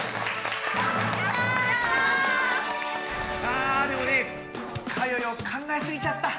あでもねかよよ考えすぎちゃった。